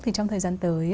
thì trong thời gian tới